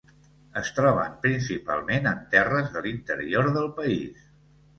Es troben principalment en terres de l'interior del país.